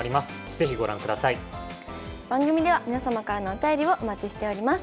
番組では皆様からのお便りをお待ちしております。